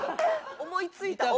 思いついた？